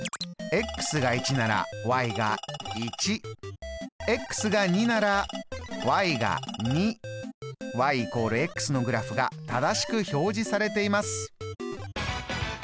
が１ならが１。が２ならが２。＝のグラフが正しく表示されています。